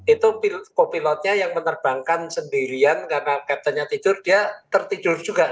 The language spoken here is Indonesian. itu kopilotnya yang menerbangkan sendirian karena kaptennya tidur dia tertidur juga